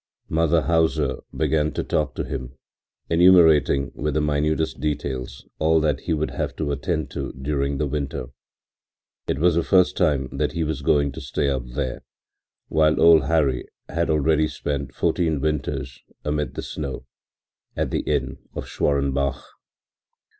Mother Hauser began to talk to him, enumerating with the minutest details all that he would have to attend to during the winter. It was the first time that he was going to stay up there, while old Hari had already spent fourteen winters amid the snow, at the inn of Schwarenbach.